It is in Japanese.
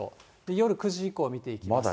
夜９時以降を見ていきます。